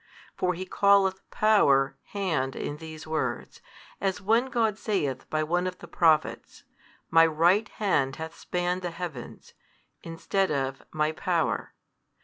For he calleth power Hand in these words, as when God saith by one of the Prophets, My right Hand hath spanned the heavens, instead of, My Power.